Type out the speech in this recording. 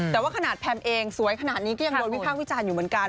แต่ว่าขนาดแพมเองสวยขนาดนี้ก็ยังโดนวิพากษ์วิจารณ์อยู่เหมือนกัน